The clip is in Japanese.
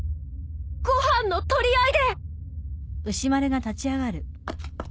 ご飯の取り合いで！